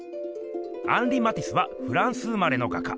アンリ・マティスはフランス生まれの画家。